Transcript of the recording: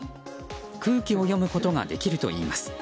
空気を読むことができるといいます。